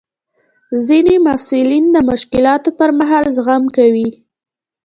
ځینې محصلین د مشکلاتو پر مهال زغم کوي.